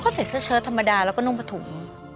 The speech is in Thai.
เขาก็ใส่เสื้อเชิดธรรมดาแล้วก็นุ่มผัดถุง